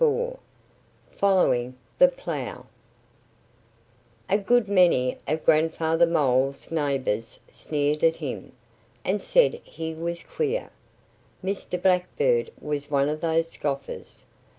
XXIV FOLLOWING THE PLOUGH A GOOD many of Grandfather Mole's neighbors sneered at him, and said he was queer. Mr. Blackbird was one of these scoffers.